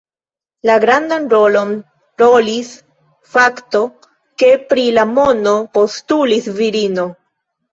La grandan rolon rolis fakto, ke pri la mono postulis virino.